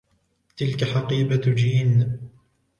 تلك حقيبة جين.